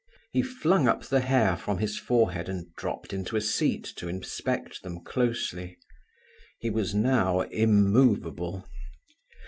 He flung up the hair from his forehead and dropped into a seat to inspect them closely. He was now immoveable.